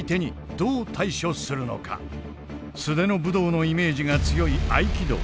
素手の武道のイメージが強い合気道。